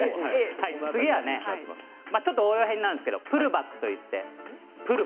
次はちょっと応用編なんですがプルバックといいます。